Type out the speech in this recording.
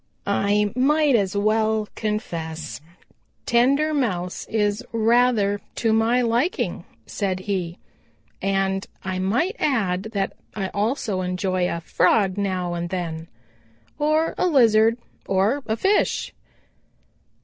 "I might as well confess that tender Mouse is rather to my liking," said he, "and I might add that I also enjoy a Frog now and then, or a Lizard or a fish."